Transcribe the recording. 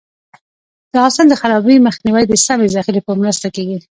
د حاصل د خرابي مخنیوی د سمې ذخیرې په مرسته کېږي.